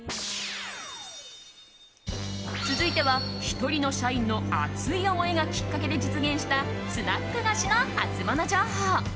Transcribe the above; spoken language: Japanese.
続いては、１人の社員の熱い思いがきっかけで実現したスナック菓子のハツモノ情報。